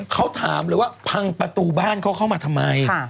เขาถามเลยว่าพังประตูบ้านเขาเข้ามาทำไม